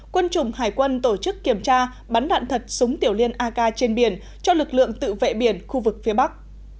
quân chủng hải quân tổ chức kiểm tra bắn đạn thật súng tiểu liên ak trên biển cho lực lượng tự vệ biển khu vực phía bắc